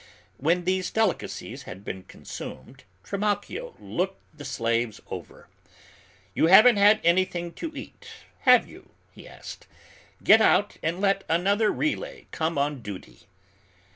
When these delicacies had been consumed, Trimalchio looked the slaves over. "You haven't had anything to eat yet, have you?" he asked. "Get out and let another relay come on duty."